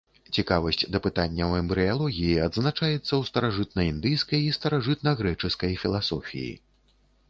Цікавасць да пытанняў эмбрыялогіі адзначаецца ў старажытнаіндыйскай і старажытнагрэчаскай філасофіі.